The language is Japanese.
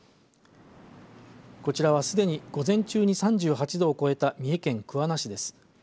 こちらは、すでに午前中に３８度を超えた三重県桑名市です。